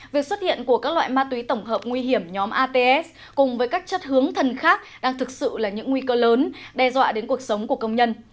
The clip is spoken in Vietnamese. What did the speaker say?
việc xuất hiện của các loại ma túy tổng hợp nguy hiểm nhóm ats cùng với các chất hướng thần khác đang thực sự là những nguy cơ lớn đe dọa đến cuộc sống của công nhân